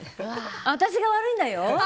私が悪いんだよ？